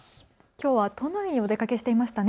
きょうは都内にお出かけしていましたね。